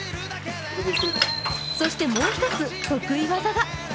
そしてもう一つ、得意技が。